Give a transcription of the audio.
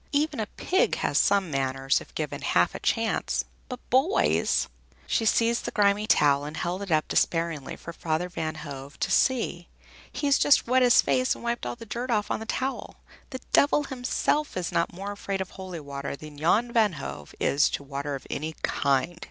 Even a pig has some manners if given half a chance, but boys!" She seized the grimy towel and held it up despairingly for Father Van Hove to see. "He's just wet his face and wiped all the dirt off on the towel. The Devil himself is not more afraid of holy water than Jan Van Hove is of water of any kind!"